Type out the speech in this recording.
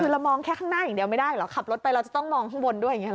เดี๋ยวไม่ได้หรอขับรถไปเราจะต้องมองข้างบนด้วย